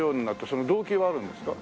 その動機はあるんですか？